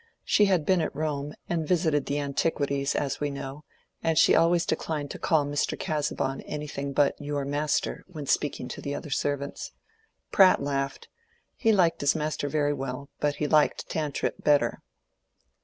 She had been at Rome, and visited the antiquities, as we know; and she always declined to call Mr. Casaubon anything but "your master," when speaking to the other servants. Pratt laughed. He liked his master very well, but he liked Tantripp better.